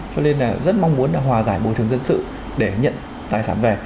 cho nên là rất mong muốn là hòa giải bồi thường dân sự để nhận tài sản về